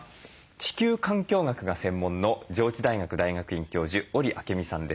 地球環境学が専門の上智大学大学院教授織朱實さんです。